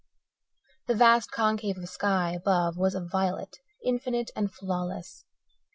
The vast concave of sky above was of violet, infinite and flawless.